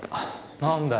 何だよ